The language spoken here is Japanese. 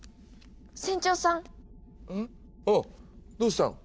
あっどうしたの？